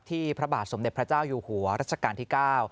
พระบาทสมเด็จพระเจ้าอยู่หัวรัชกาลที่๙